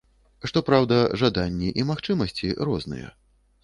Што праўда, жаданні і магчымасці розныя.